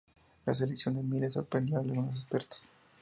La selección de Miller sorprendió a algunos expertos.